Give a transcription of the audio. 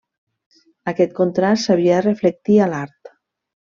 Aquest contrast s'havia de reflectir a l'art.